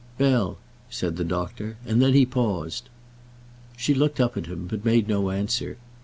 "Bell," said the doctor; and then he paused. She looked up at him, but made no answer.